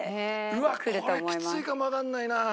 うわっこれきついかもわかんないな。